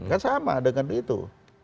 kan sama dengan itu